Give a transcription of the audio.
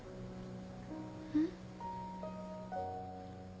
うん？